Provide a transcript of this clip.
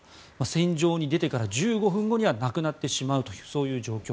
戦場に出てから１５分後には亡くなってしまうというそういう状況。